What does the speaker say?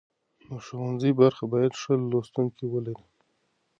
د ښوونځي برخه باید ښه لوستونکي ولري.